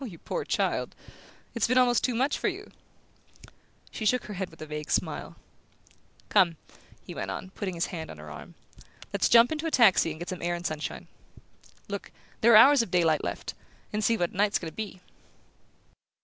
"You poor child it's been almost too much for you!" She shook her head with a vague smile. "Come," he went on, putting his hand on her arm, "let's jump into a taxi and get some air and sunshine. Look, there are hours of daylight left; and see what a night it's going to be!"